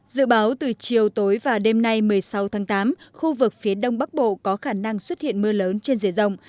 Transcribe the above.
dự báo từ chiều tối và đêm nay một mươi sáu tháng tám khu vực phía đông bắc bộ có khả năng xuất hiện mưa lớn trên dề rộng